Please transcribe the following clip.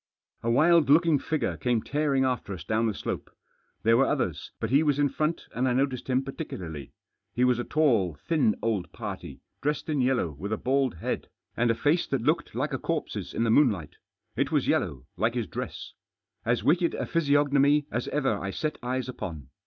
A wild looking figure came tearing after us down the slope. There were others, but he was in front, and I noticed him particularly. He was a tall, thin old party, dressed in yellow, with a bald head, and a face Digitized by THE JOSS EEVERTS. 261 that looked like a corpse's in the moonlight. It was yellow, like his dress. As wicked a physiognomy as ever I set eyes upon.